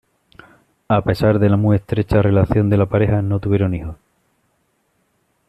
A pesar de la muy estrecha relación de la pareja, no tuvieron hijos.